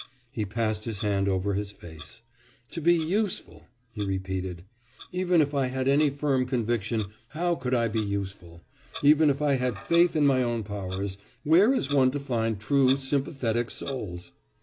(He passed his hand over his face.) 'To be useful!' he repeated. 'Even if I had any firm conviction, how could I be useful? even if I had faith in my own powers, where is one to find true, sympathetic souls?